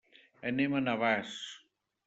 Anem a Navàs.